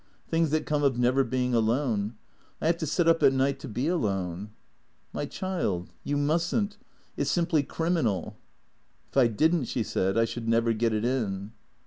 Things that come of never being alone. I have to sit up at night to be alone." " My child, you must n't. It 's simply criminal." " If I did n't," she said, " I should never get it in."